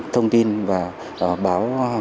thông tin và báo